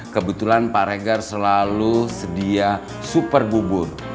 kebetulan pak regar selalu sedia super bubur